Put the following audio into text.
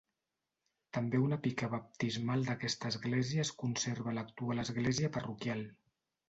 També una pica baptismal d'aquesta església es conserva a l'actual església parroquial.